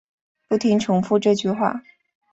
不停重复这句话